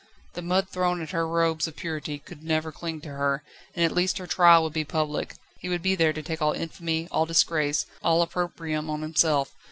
The mud thrown at her robes of purity could never cling to her, and at least her trial would be public; he would be there to take all infamy, all disgrace, all opprobrium on himself.